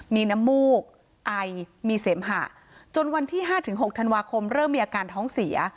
มีน้ำมูกไอมีเสมหะจนวันที่๕๖ธันวาคมเริ่มมีอาการท้องเสีย